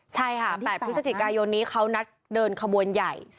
ใช่ค่ะ๘พฤศจิกายนนี้เขานัดเดินขบวนใหญ่